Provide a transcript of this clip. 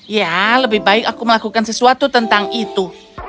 ya lebih baik aku melakukan sesuatu tentang itu